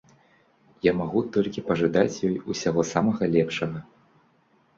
Я магу толькі пажадаць ёй усяго самага лепшага.